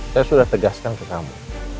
saya sudah tegaskan ke kamu